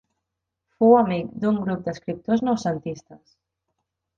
Fou amic d'un grup d'escriptors noucentistes.